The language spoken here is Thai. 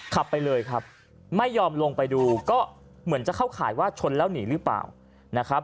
ขับไปเลยครับไม่ยอมลงไปดูก็เหมือนจะเข้าข่ายว่าชนแล้วหนีหรือเปล่านะครับ